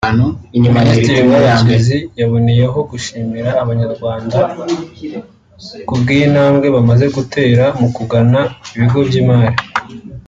Minisitiri Murekezi yaboneyeho gushimira Abanyarwanda ku bw’iyi ntambwe bamaze gutera mu kugana ibigo by’imari